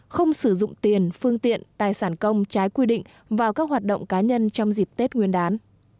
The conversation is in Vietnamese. không sử dụng tiền phương tiện tài sản công trái quy định vào các hoạt động cá nhân trong dịp tết nguyên đán